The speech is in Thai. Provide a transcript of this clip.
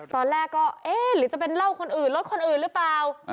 ตอนแรกก็เอ๊ะหรือจะเป็นเหล้าคนอื่นรถคนอื่นหรือเปล่า